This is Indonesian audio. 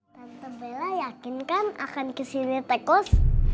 tante bella yakin kan akan kesini tekus